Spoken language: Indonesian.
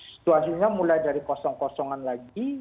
situasinya mulai dari kosong kosongan lagi